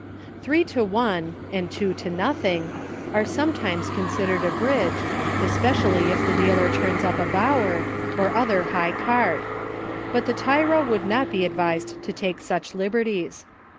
Three to one, and two to nothing, are sometimes considered a Bridge, especially if the dealer turns up a Bower, or other high card ; but the tyro would not be advised to take such liberties.